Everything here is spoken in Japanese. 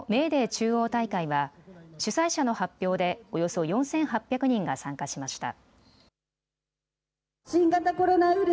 中央大会は主催者の発表でおよそ４８００人が参加しました。